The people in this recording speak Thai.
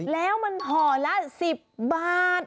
แล้วมันห่อละ๑๐บาท